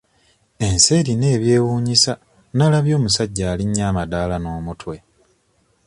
Ensi erina ebyewuunyisa nalabye omusajja alinnya amadaala n'omutwe.